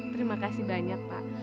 terima kasih banyak pak